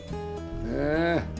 ねえ。